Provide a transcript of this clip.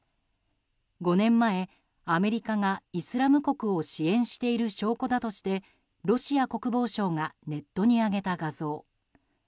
５年前、アメリカがイスラム国を支援している証拠だとしてロシア国防省がネットに上げた画像。